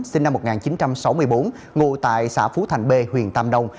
sinh năm một nghìn chín trăm sáu mươi bốn ngụ tại xã phú thành b huyện tam đông